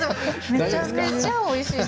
めちゃめちゃおいしい。